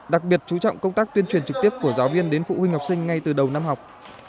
đặc biệt chú trọng công tác tuyên truyền trực tiếp của giáo viên đến phụ huynh học sinh ngay từ đầu năm học